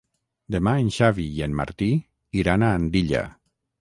Demà en Xavi i en Martí iran a Andilla.